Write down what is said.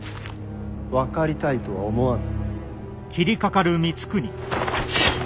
分かりたいとは思わぬ。